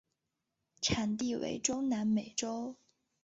产地为中南美洲。